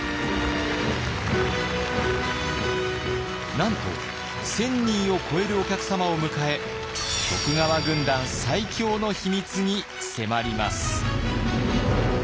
なんと１，０００人を超えるお客様を迎え徳川軍団最強の秘密に迫ります。